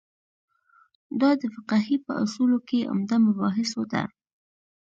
دا د فقهې په اصولو کې عمده مباحثو ده.